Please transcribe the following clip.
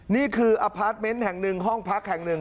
นี่คืออพาร์ทเมนต์แห่งหนึ่งห้องพักแห่งหนึ่ง